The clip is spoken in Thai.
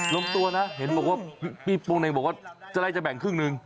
ลงตัวนะเห็นบอกว่าพี่โป๊งเหน่งบอกว่าจะได้จะแบ่งครึ่งหนึ่ง